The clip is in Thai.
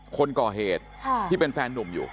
คนก่อเหตุที่เป็นแฟนนุ่มอยู่